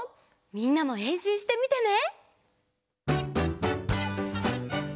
みんなもへんしんしてみてね！